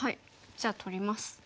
じゃあ取ります。